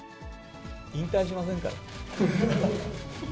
引退しませんから。